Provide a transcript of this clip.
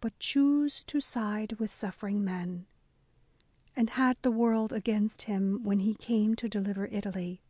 But choose to side with suffering men. And had the world against him when He came to deliver Italy.